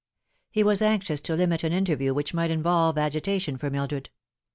He was anxious to limit an interview which might involve agitation for Mildred.